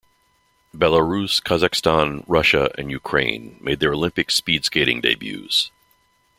Belarus, Kazakhstan, Russia and Ukraine made their Olympic speed skating debuts.